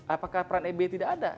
apakah peran sby tidak ada